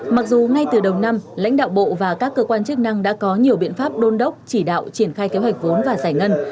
mặc dù ngay từ đầu năm lãnh đạo bộ và các cơ quan chức năng đã có nhiều biện pháp đôn đốc chỉ đạo triển khai kế hoạch vốn và giải ngân